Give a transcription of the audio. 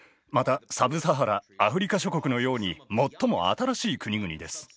またサブサハラ・アフリカ諸国のように最も新しい国々です。